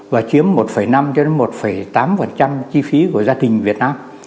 và chiếm một năm cho đến một tám chi phí của gia đình việt nam